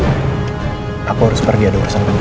lanjut aku harus pergi ada urusan kembali